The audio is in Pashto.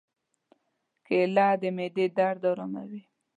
کېله د معدې درد آراموي.